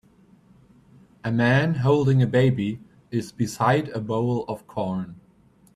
A man holding a baby is beside a bowl of corn.